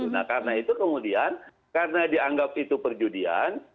nah karena itu kemudian karena dianggap itu perjudian